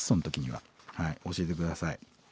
はい教えて下さい。